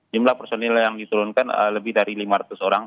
jumlah personil yang diturunkan lebih dari lima ratus orang